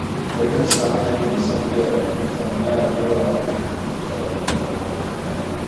Elephants largely disappeared from Europe after the Roman Empire.